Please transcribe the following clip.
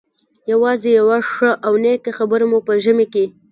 یوازې یوه ښه او نېکه خبره مو په ژمي کې.